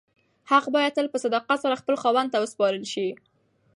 حق باید تل په صداقت سره خپل خاوند ته وسپارل شي.